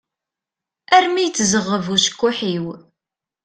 Armi yettzeɣɣeb ucekkuḥ-iw.